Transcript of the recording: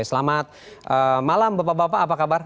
selamat malam bapak bapak apa kabar